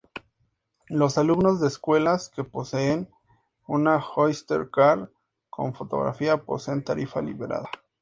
Los alumnos de escuelas que posean una Oyster card con fotografía, poseen tarifa liberada.